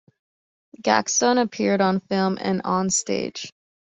Gaxton appeared on film and onstage.